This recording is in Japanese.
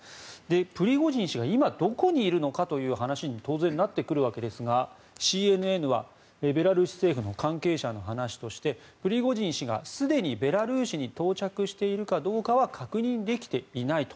プリゴジン氏が今、どこにいるのかという話に当然なってくるわけですがＣＮＮはベラルーシ政府の関係者の話としてプリゴジン氏がすでにベラルーシに到着しているかどうかは確認できていないと。